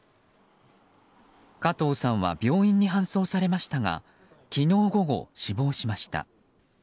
加藤さんは病院に搬送されましたが昨日午後、死亡しました。